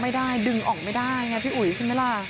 ไม่ได้ดึงออกไม่ได้ไงพี่อุ๋ยใช่ไหมล่ะ